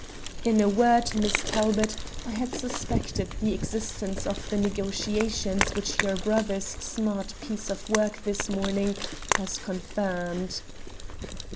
"In a word, Miss Talbot, I had suspected the existence of the negotiations, which your brother's smart piece of work this morning has confirmed."